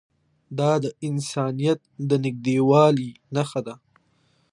دا د انسانیت د نږدېوالي نښه ده.